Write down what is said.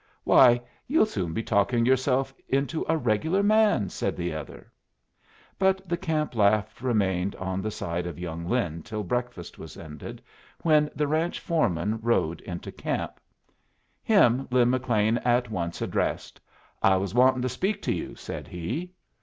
"Why, you'll soon be talking yourself into a regular man," said the other. But the camp laugh remained on the side of young Lin till breakfast was ended, when the ranch foreman rode into camp. Him Lin McLean at once addressed. "I was wantin' to speak to you," said he.